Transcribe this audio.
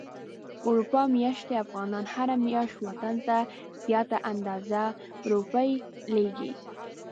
اروپا ميشتي افغانان هره مياشت وطن ته زياته اندازه روپی ليږي.